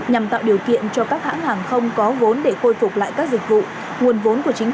nhằm tạo điều kiện cho các hãng hàng không có vốn để khôi phục lại các dịch vụ nguồn vốn của chính